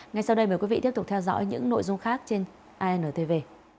ngay sau đây mời quý vị tiếp tục theo dõi những nội dung khác trên intv